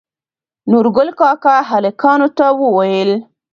نورګل کاکا هلکانو ته وويل